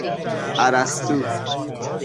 اَرسطو